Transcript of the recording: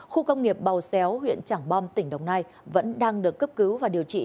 khu công nghiệp bào xéo huyện trảng bom tỉnh đồng nai vẫn đang được cấp cứu và điều trị